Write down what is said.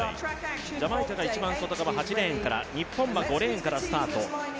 ジャマイカが一番外側、８レーンから、日本は５レーンからスタート。